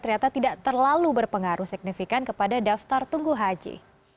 ternyata tidak terlalu berpengaruh signifikan kepada daftar tunggu haji